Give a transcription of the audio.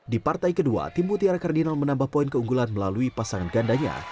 di partai kedua tim mutiara kardinal menambah poin keunggulan melalui pasangan gandanya